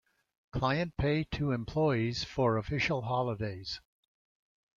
Client pay to employees for official holidays.